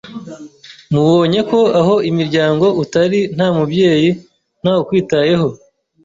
mubonyeko aho imiryango utari, nta mubyeyi, ntawukwitayeho